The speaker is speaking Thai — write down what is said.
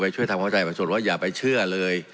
ช่วยทำเข้าใจประชาชนว่าอย่าไปเชื่อเลย